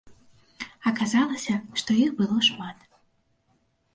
Аказалася, што іх было шмат.